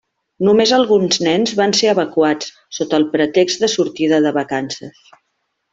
Només alguns nens van ser evacuats, sota el pretext de sortida de vacances.